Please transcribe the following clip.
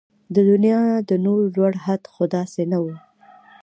د دنيا د نور لوړ حد خو داسې نه و